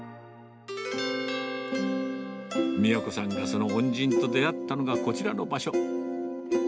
三和子さんがその恩人と出会ったのが、こちらの場所。